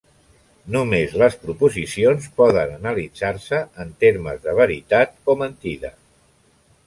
Només les proposicions poden analitzar-se en termes de veritat o mentida.